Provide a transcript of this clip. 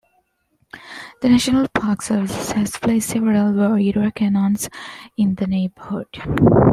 The National Park Service has placed several war-era cannons in the neighborhood.